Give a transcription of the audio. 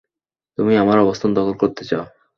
তুমি আমার অবস্থান দখল করতে চাও?